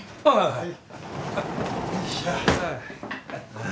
はい。